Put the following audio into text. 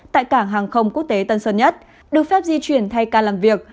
tại cảng hàng không quốc tế tân sơn nhất được phép di chuyển thay ca làm việc